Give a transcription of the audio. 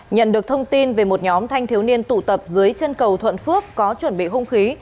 nhận được thông tin về một nhóm thanh thiếu niên tụ tập dưới chân cầu thuận phước có chuẩn bị hung khí